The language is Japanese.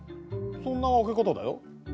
そんな分け方だよ。